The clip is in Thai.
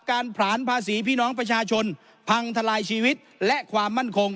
ผลานภาษีพี่น้องประชาชนพังทลายชีวิตและความมั่นคง